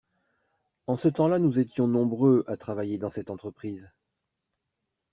En ce temps-là nous étions nombreux à travailler dans cette entreprise.